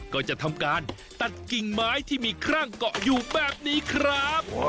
ก็จะทำการตัดกิ่งไม้ที่มีครั่งเกาะอยู่แบบนี้ครับ